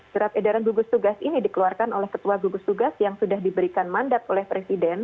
surat edaran gugus tugas ini dikeluarkan oleh ketua gugus tugas yang sudah diberikan mandat oleh presiden